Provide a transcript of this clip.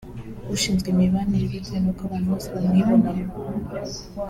ushinzwe imibanire bitewe n’uko abantu bose bamwibonamo